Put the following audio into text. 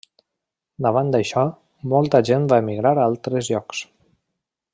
Davant d'això, molta gent va emigrar a altres llocs.